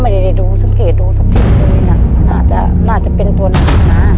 ไม่ได้ได้ดูสังเกตดูสักทีเลยน่ะน่าจะน่าจะเป็นตัวนี้นะ